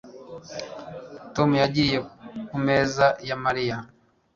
Tom yagiye ku meza ya Mariya